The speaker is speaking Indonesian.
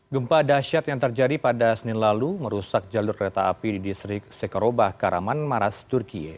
gempa dasyat yang terjadi pada senin lalu merusak jalur kereta api di distrik sekarobah karaman maras turkiye